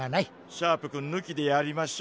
シャープくんぬきでやりましょう。